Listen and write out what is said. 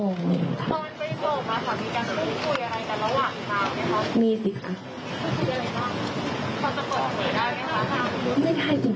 ตอนไปส่งนะคะมีกันคุยอะไรกันระหว่างครั้ง